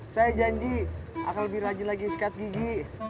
saya janji akan lebih rajin lagi sekat gigi